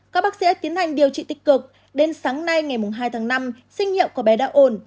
các bác sĩ tiến hành điều trị tích cực đến sáng nay ngày hai tháng năm sinh hiệu của bé đã ổn